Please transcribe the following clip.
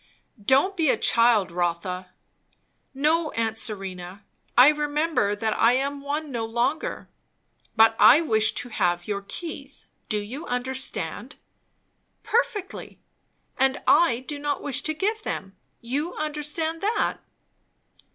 "Don't be a child, Rotha!" "No, aunt Serena. I remember that I am one no longer." "But I wish to have your keys do you understand?" "Perfectly; and I do not wish to give them. You understand that."